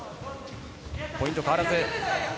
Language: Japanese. ポイント変わらず。